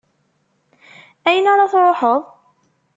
Ayen ara truḥeḍ?